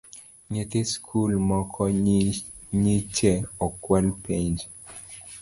Nyithi skul moko nyiche okwalo penj